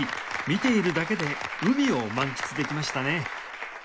見ているだけで海を満喫できましたね